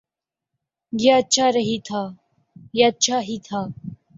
یہ اچھا ہی تھا۔